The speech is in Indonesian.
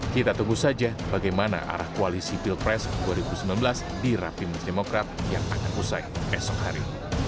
kita tunggu saja bagaimana arah koalisi pilpres dua ribu sembilan belas di rapim demokrat yang akan usai esok hari